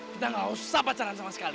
kita nggak usah pacaran sama sekali